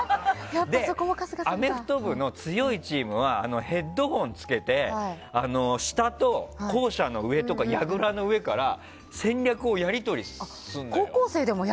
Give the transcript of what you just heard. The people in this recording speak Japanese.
アメフト部の強いチームはヘッドホン着けて下と、校舎の上とかやぐらの上とかから戦略をやり取りするのよ。